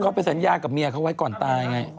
เขาไปสัญญากับเมียเขาไว้ก่อนตายไง